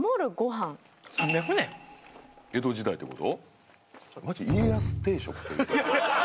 江戸時代って事？